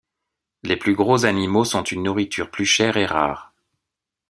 Les plus gros animaux sont une nourriture plus chère et rare.